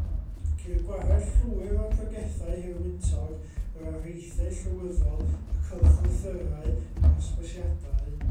Ceir gwared llwyr o'r pregethau hirwyntog, yr areithiau llywyddol, y cylchlythyrau, yr hysbysiadau.